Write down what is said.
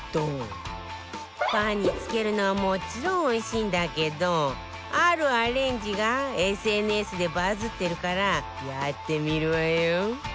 パンに付けるのはもちろんおいしいんだけどあるアレンジが ＳＮＳ でバズってるからやってみるわよ